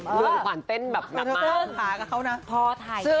เรื่องขวานเต้นแบบหนักมาก